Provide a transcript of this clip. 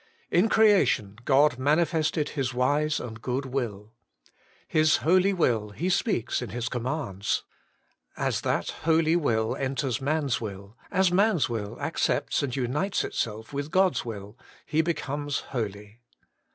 In creation God manifested His wise and good will. His holy will He speaks in His commands. As that holy will enters man's will, as man's will accepts and unites itself with God's will, he becomes holy.